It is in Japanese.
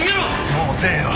もう遅えよ。